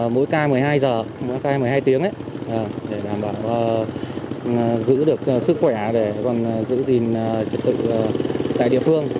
mỗi ca một mươi hai giờ mỗi ca một mươi hai tiếng để giữ được sức khỏe và giữ gìn trật tự tại địa phương